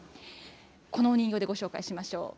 このお人形でご紹介しましょう。